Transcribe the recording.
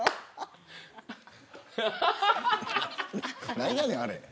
なんやねんあれ。